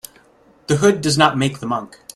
The hood does not make the monk.